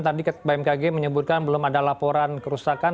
tadi bmkg menyebutkan belum ada laporan kerusakan